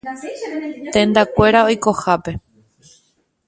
Tendakuéra oikohápe.